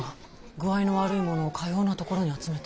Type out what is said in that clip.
具合の悪い者をかようなところに集めて。